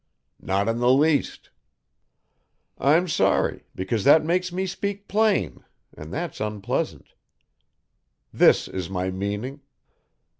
"Not in the least." "I'm sorry, because that makes me speak plain, and that's unpleasant. This is my meaning.